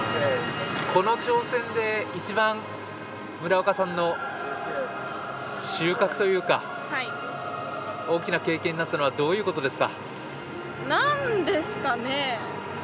この挑戦で一番、村岡さんの収穫というか大きな経験になったのはどういうことですか？